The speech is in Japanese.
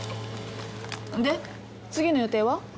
で次の予定は？